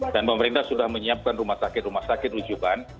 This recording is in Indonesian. dan pemerintah sudah menyiapkan rumah sakit rumah sakit rujukan